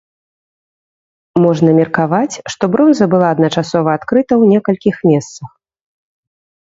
Можна меркаваць, што бронза была адначасова адкрыта ў некалькіх месцах.